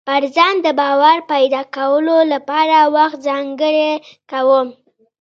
پر ځان د باور پيدا کولو لپاره وخت ځانګړی کوم.